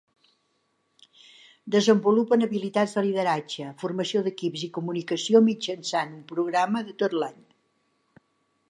Desenvolupen habilitats de lideratge, formació d'equips i comunicació mitjançant un programa de tot l'any.